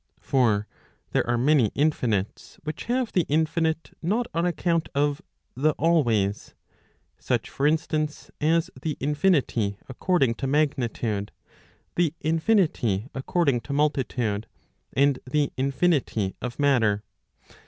For there are many infinites which have the infinite not on account of the always , such for instance, as the infinity according to magnitude, the infinity according to multitude, and the infinity of matter.